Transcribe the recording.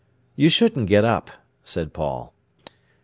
"You shouldn't get up," said Paul.